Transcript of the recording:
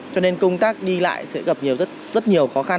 cho nên công tác đi lại sẽ gặp nhiều rất nhiều khó khăn